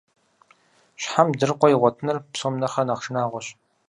Щхьэм дыркъуэ игъуэтыныр псом нэхърэ нэхъ шынагъуэщ.